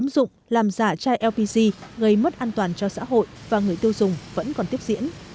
tại lpg gây mất an toàn cho xã hội và người tiêu dùng vẫn còn tiếp diễn